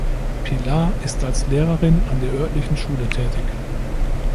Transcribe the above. Pilar ist als Lehrerin an der örtlichen Schule tätig.